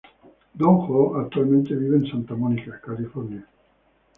Don Ho actualmente vive en Santa Mónica, California.